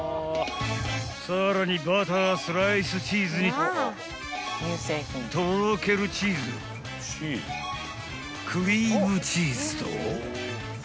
［さらにバタースライスチーズにとろけるチーズクリームチーズと］